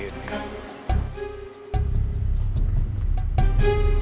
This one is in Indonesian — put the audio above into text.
kau tidak suka ini